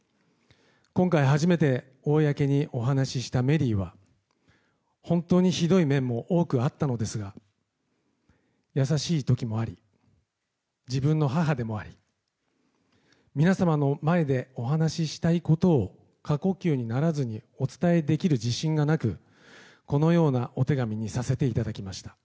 今回、初めて公にお話ししたメリーは本当にひどい面も多くあったのですが優しい時もあり自分の母でもあり皆様の前でお話ししたいことを過呼吸にならずにお伝えできる自信がなくこのようなお手紙にさせていただきました。